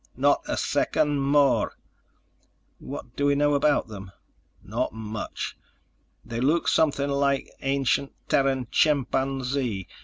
"Not a second more." "What do we know about them?" "Not much. They look something like an ancient Terran chimpanzee